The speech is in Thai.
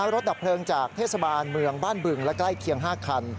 ดับเพลิงจากเทศบาลเมืองบ้านบึงและใกล้เคียง๕คัน